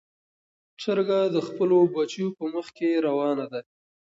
چرګه د خپلو بچیو په مخ کې روانه ده.